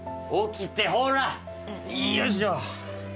いよいしょ！